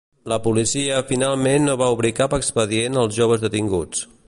La policia finalment no va obrir cap expedient als joves detinguts.